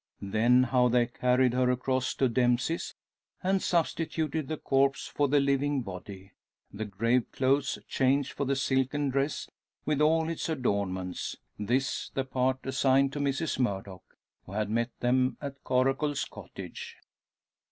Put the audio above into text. Then, how they carried her across to Dempsey's, and substituted the corpse for the living body the grave clothes changed for the silken dress with all its adornments this the part assigned to Mrs Murdock, who had met them at Coracle's cottage.